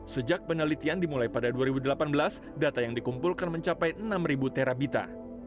sejak penelitian dimulai pada dua ribu delapan belas data yang dikumpulkan mencapai enam ribu terabita